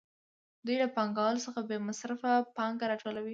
دوی له پانګوالو څخه بې مصرفه پانګه راټولوي